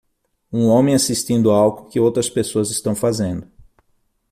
Um homem assistindo algo que outras pessoas estão fazendo.